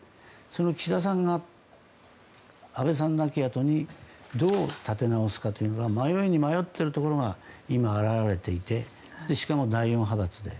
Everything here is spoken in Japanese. その岸田さんが安倍さん亡き後にどう立て直すかというのが迷いに迷っているところが今表れていてしかも第４派閥で。